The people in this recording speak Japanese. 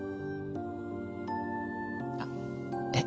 あっえっ